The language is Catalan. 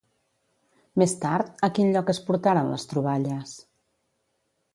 Més tard, a quin lloc es portaren les troballes?